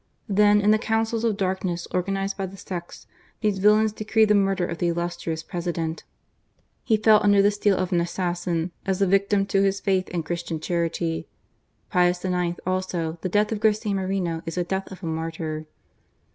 Then, in the councils of darkness organized by the sects, these villains decreed the murder of the illustrious President. He fell under the steel of an assassin, as a victim to his faith and Christian charity. ... For Pius IX. also, the death of Garcia Moreno is the death of a martyr."